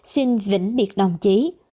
xin vĩnh biệt đồng chí